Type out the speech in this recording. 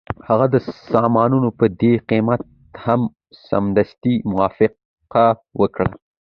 هغه د سامانونو په دې قیمت هم سمدستي موافقه وکړه